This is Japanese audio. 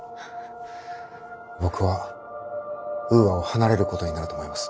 僕はウーアを離れることになると思います。